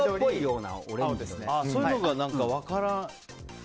そういうのが分からない。